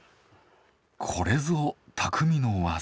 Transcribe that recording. これぞ匠の技。